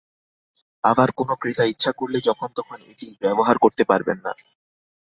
আবার কোনো ক্রেতা ইচ্ছা করলেই যখন-তখন এটি ব্যবহার করতে পারবেন না।